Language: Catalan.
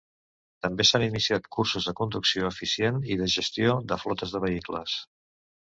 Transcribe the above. També s'han iniciat cursos de conducció eficient i de gestió de flotes de vehicles.